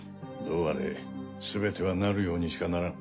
うあれすべてはなるようにしかならん。